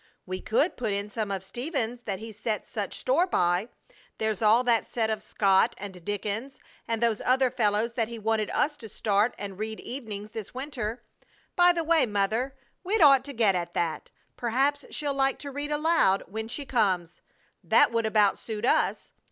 "We could put in some of Stephen's that he set such store by. There's all that set of Scott, and Dickens, and those other fellows that he wanted us to start and read evenings this winter. By the way, Mother, we'd ought to get at that! Perhaps she'll like to read aloud when she comes! That would about suit us.